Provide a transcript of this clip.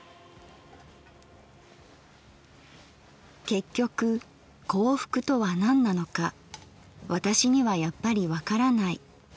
「結局幸福とは何なのか私にはやっぱりわからない。